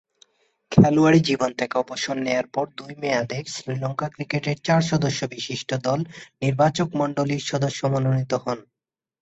খেলোয়াড়ী জীবন থেকে অবসর নেয়ার পর দুই মেয়াদে শ্রীলঙ্কা ক্রিকেটের চার সদস্যবিশিষ্ট দল নির্বাচকমণ্ডলীর সদস্য মনোনীত হন।